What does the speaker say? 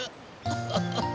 フフフ。